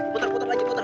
putar putar lagi putar